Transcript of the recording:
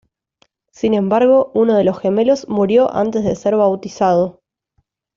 Sin embargo, uno de los gemelos murió antes de ser bautizado.